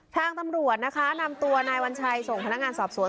ทางตำรวจนะคะนำตัวนายวัญชัยส่งพนักงานสอบสวน